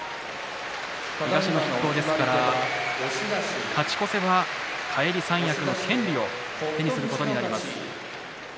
東の筆頭ですから勝ち越せば返り三役の権利を手にすることになります。